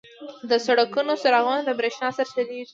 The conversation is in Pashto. • د سړکونو څراغونه د برېښنا سره چلیږي.